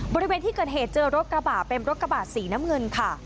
บริเวณที่เกิดเหตุเจอรถกระบะเป็นรถกระบาดสีน้ำเงินค่ะ